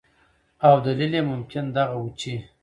او دلیل یې ممکن دغه ؤ چې